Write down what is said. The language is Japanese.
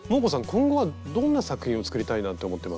今後はどんな作品を作りたいなって思ってます？